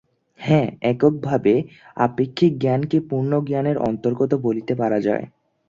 হাঁ, একভাবে আপেক্ষিক জ্ঞানকে পূর্ণ জ্ঞানের অন্তর্গত বলিতে পারা যায়।